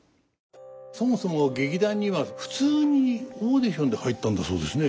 そもそも劇団には普通にオーディションで入ったんだそうですね？